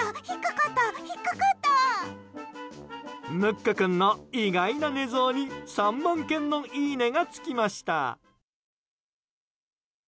むっく君の意外な寝相に３万件のいいねがつきました。